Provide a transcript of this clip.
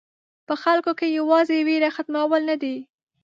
په خلکو کې یوازې وېره ختمول نه دي.